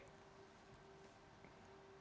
terima kasih direktur eksekutif para masyarakat